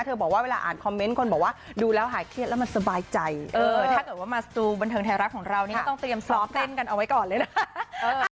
ถ้าเกิดว่ามาสตูบนเทิงแท้รักของเรานี่ก็ต้องเตรียมซอฟต์เต้นกันเอาไว้ก่อนเลยนะคะ